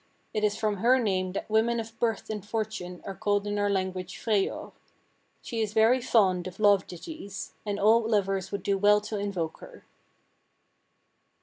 It is from her name that women of birth and fortune are called in our language Freyjor. She is very fond of love ditties, and all lovers would do well to invoke her."